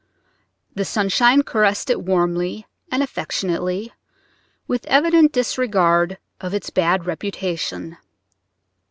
The sunshine caressed it warmly and affectionately, with evident disregard of its bad reputation.